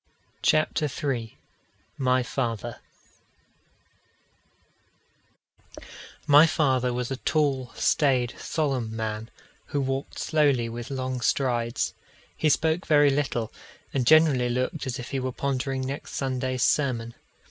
CHAPTER III My Father My father was a tall, staid, solemn man, who walked slowly with long strides. He spoke very little, and generally looked as if he were pondering next Sunday's sermon.